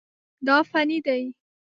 دا فني دي.